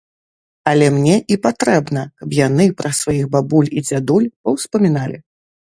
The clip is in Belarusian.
Але мне і патрэбна, каб яны пра сваіх бабуль і дзядуль паўспаміналі.